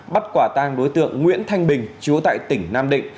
bắt quả tang đối tượng nguyễn thanh bình chú tại tỉnh nam định